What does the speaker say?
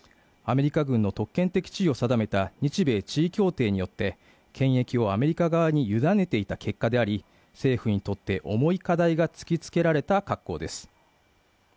米軍の特権的地位を定めた日米地位協定によって検疫をアメリカ側に委ねていた結果であり政府にとって重い課題が突きつけられた格好です